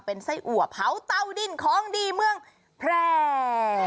เป็นไส้อัวเผาเตาดินของดีเมืองแพร่